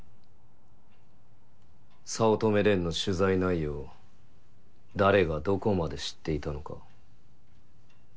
早乙女蓮の取材内容を誰がどこまで知っていたのか。